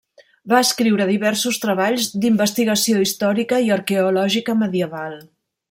Va escriure diversos treballs d'investigació històrica i arqueològica medieval.